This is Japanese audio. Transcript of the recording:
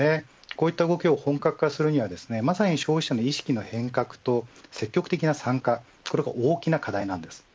こういった動きを本格化するにはまさに消費者の意識の変革と積極的な参加が大きな課題です。